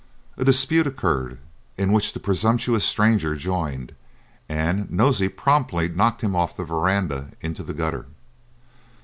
A dispute occurred, in which the presumptuous stranger joined, and Nosey promptly knocked him off the verandah into the gutter.